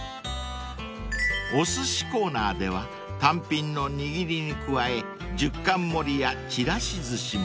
［お寿司コーナーでは単品の握りに加え１０貫盛りやちらしずしも］